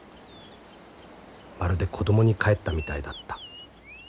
まるで子供に返ったみたいだった。